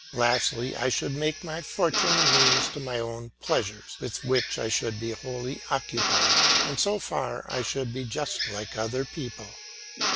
Lastly I should make my fortune a means to my own pleasures with which I should be wholly occupied; and so far I should be just like other people.